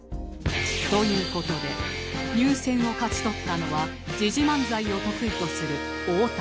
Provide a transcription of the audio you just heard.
という事で入選を勝ち取ったのは時事漫才を得意とする太田さん